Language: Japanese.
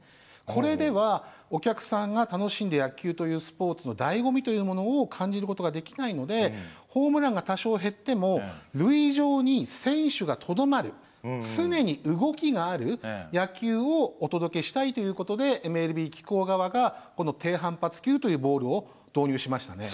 これではお客さんが楽しんで野球というスポーツのだいご味というものを感じることができないのでホームランが多少減っても塁上に選手がとどまる常に動きがある野球をお届けしたいということでＭＬＢ機構側がこの低反発球というボールを導入しましたね。